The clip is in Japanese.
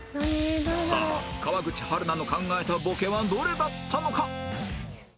さあ川口春奈の考えたボケはどれだったのか？